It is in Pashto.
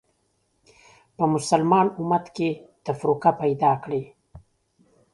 په مسلمان امت کې تفرقه پیدا کړې